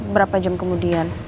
berapa jam kemudian